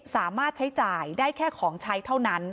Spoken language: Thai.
สามารถใช้จ่ายได้แค่ของใช้เท่านั้น